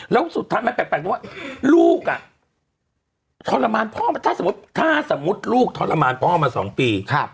แล้วสุดท้ายมันแปลกด้วยว่าลูกอะทรมานพ่อถ้าสมมติลูกทรมานพ่อมา๒ปี